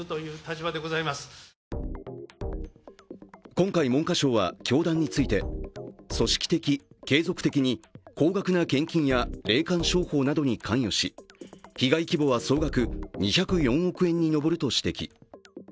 今回、文科省は教団について、組織的、継続的に高額な献金や霊感商法などに関与し、被害規模は総額２０４億円に上ると指摘。